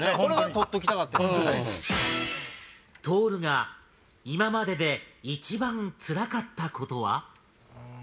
とおるが今までで一番つらかったことは？